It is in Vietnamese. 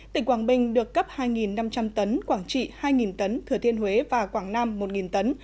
tỉnh quảng bình được cấp hai năm trăm linh tấn quảng trị hai tấn thừa thiên huế và quảng nam một tấn